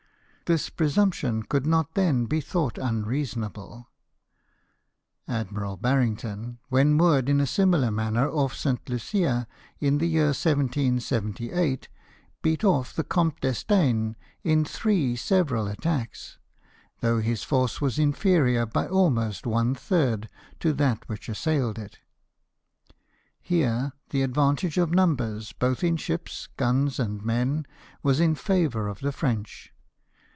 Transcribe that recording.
This presumption could not then be thought unreasonable. Admiral Barrington, when moored in a similar manner off St. Lucia, in the year 1778, beat ofl* the Comte d'Estai n in three several /iV PVRSUIT OF THE FRENCH. 137 attacks, though his force was inferior by almost one third to that which assailed it. Here the advantage of numbers, both in ships, guns, and men, was in favour of the French.